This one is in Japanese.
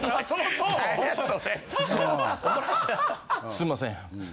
「すんません。